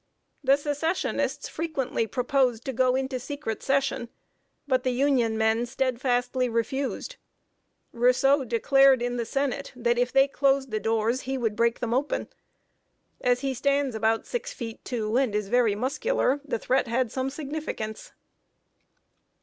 The Secessionists frequently proposed to go into secret session, but the Union men steadfastly refused. Rousseau declared in the Senate that if they closed the doors he would break them open. As he stands about six feet two, and is very muscular, the threat had some significance.